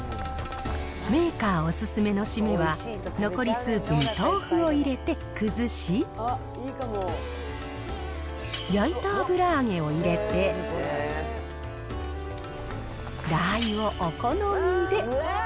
メーカーお勧めの締めは、残りスープに豆腐を入れて崩し、焼いた油揚げを入れて、ラー油をお好みで。